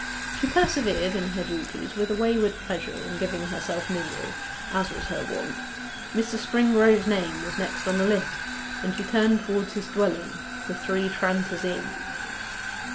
She persevered in her duties with a wayward pleasure in giving herself misery, as was her wont. Mr. Springrove's name was next on the list, and she turned towards his dwelling, the Three Tranters Inn.